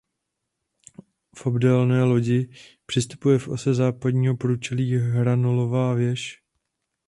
K obdélné lodi přistupuje v ose západního průčelí hranolová věž.